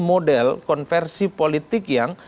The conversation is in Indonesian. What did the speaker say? model konversi politik yang